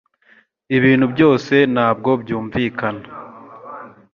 Ibintu byose ntabwo byumvikana